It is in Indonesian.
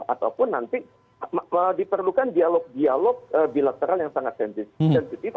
ataupun nanti diperlukan dialog dialog bilateral yang sangat sensitif